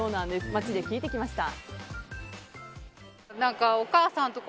街で聞いてきました。